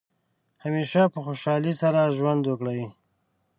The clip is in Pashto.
همیشه په خوشحالۍ سره ژوند وکړئ.